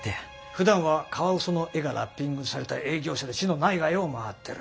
ふだんはカワウソの絵がラッピングされた営業車で市の内外を回ってる。